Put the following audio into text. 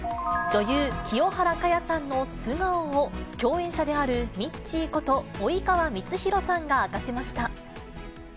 女優、清原果耶さんの素顔を、共演者であるミッチーこと、及川光博さんが明かしました。